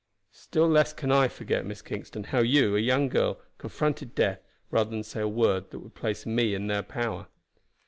"Still less can I forget, Miss Kingston, how you, a young girl, confronted death rather than say a word that would place me in their power."